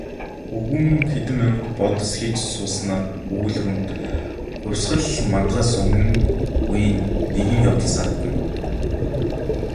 Өвгөн хэдэн минут бодос хийж сууснаа өгүүлрүүн "Хувьсгал мандахаас өмнө үеийн нэгэн явдал санагдана".